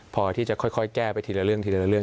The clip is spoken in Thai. พอที่จะค่อยแก้ไปทีละเรื่อง